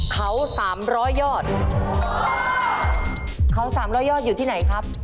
เขาสามร่อยยอดอยู่ที่ไหนครับ